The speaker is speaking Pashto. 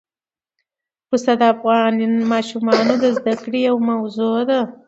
پسه د افغان ماشومانو د زده کړې یوه موضوع ده.